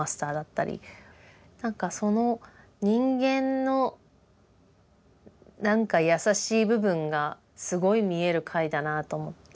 何かその人間の何か優しい部分がすごい見える回だなと思って。